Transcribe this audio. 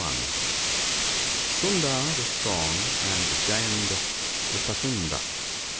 l6l (IOI.) Sunda the Strong, and Giant Upasunda.